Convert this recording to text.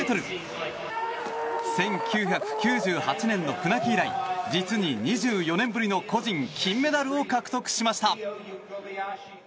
１９９８年の船木以来実に２４年ぶりの個人金メダルを獲得しました。